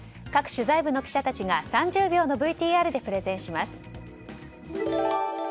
各取材部の記者たちが３０秒のＶＴＲでプレゼンします。